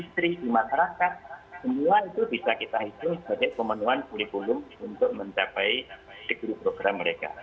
semua itu bisa kita hitung sebagai pemenuhan kurikulum untuk mencapai struktur program mereka